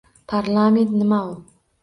Parlament – nima u?